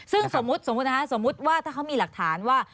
ซึ่งสมมุตินะคะสมมุติว่าถ้าเขามีหลักฐานว่า